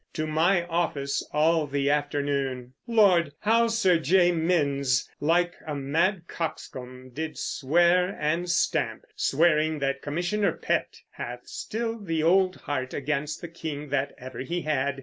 To my office all the afternoon; Lord! how Sir J. Minnes, like a mad coxcomb, did swear and stamp, swearing that Commissioner Pett hath still the old heart against the King that ever he had, ...